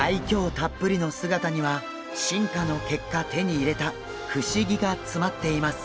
たっぷりの姿には進化の結果手に入れた不思議が詰まっています。